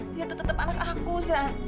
dia tuh tetep anak aku